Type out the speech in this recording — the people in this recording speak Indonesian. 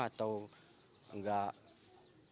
atau enggak dari siapa siapa